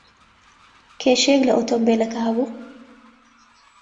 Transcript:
کێشەیەک لە ئۆتۆمۆبیلەکە ھەبوو؟